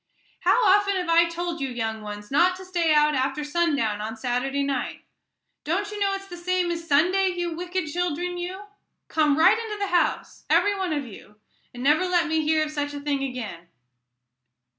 "How often have I told you, young ones, not to stay out after sundown on Saturday night? Don't you know it's the same as Sunday, you wicked children, you? Come right into the house, every one of you, and never let me hear of such a thing again."